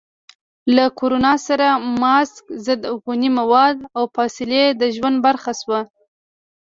له کرونا سره ماسک، ضد عفوني مواد، او فاصلې د ژوند برخه شوه.